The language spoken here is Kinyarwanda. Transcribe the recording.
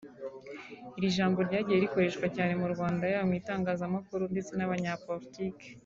Iri ijambo ryagiye rikoreshwa cyane mu Rwanda yaba mu itangazamakuru ndetse n’abanyapolitike